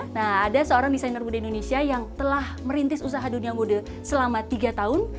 nah ada seorang desainer muda indonesia yang telah merintis usaha dunia muda selama tiga tahun